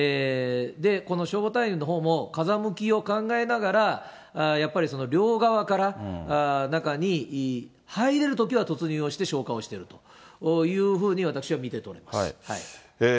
この消防隊員のほうも風向きを考えながら、やっぱり両側から、中に入れるときは突入をして消火をしてるというふうに、私は見て取れます。